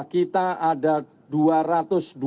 kekuatan basarnas sebetulnya sudah ada di situ